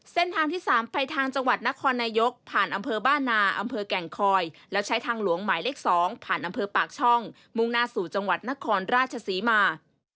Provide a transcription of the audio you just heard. เส้นทางที่๓ไปทางจังหวัดนครนายกผ่านอำเภอบ้านนาอำเภอแก่งคอยแล้วใช้ทางหลวงหมายเลข๒ผ่านอำเภอปากช่องมุ่งหน้าสู่จังหวัดนครราชศรีมา